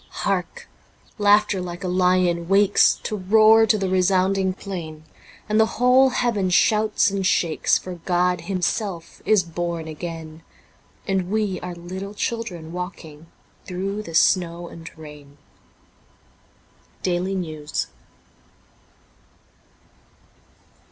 Hark ! Laughter like a lion wakes To roar to the resounding plain, And the whole heaven shouts and shakes. For God Himself is born again ; And we are little children walking Through the snow and rain. ' Daily Nezvs.''